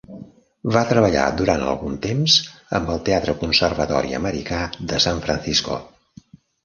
Va treballar durant algun temps amb el Teatre Conservatori Americà de San Francisco.